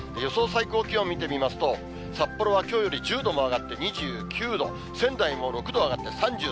最高気温見てみますと、札幌はきょうより１０度も上がって２９度、仙台も６度上がって３３度。